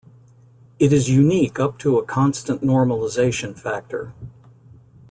It is unique up to a constant normalization factor.